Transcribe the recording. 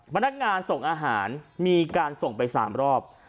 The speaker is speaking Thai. พนักงานส่งอาหารมีการส่งไป๓รอบ